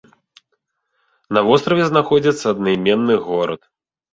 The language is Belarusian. На востраве знаходзіцца аднайменны горад.